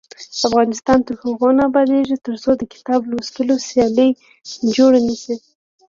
افغانستان تر هغو نه ابادیږي، ترڅو د کتاب لوستلو سیالۍ جوړې نشي.